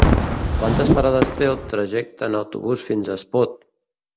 Quantes parades té el trajecte en autobús fins a Espot?